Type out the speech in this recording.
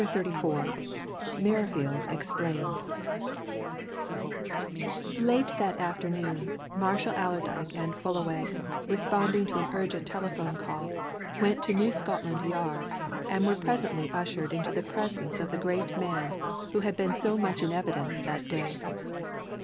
CHAPTER XXXIV MERRIFIELD EXPLAINS Late that afternoon Marshall Allerdyke and Fullaway, responding to an urgent telephone call, went to New Scotland Yard, and were presently ushered into the presence of the great man who had been so much in evidence that day.